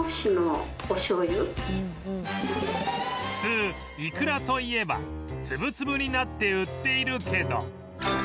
普通いくらといえば粒々になって売っているけど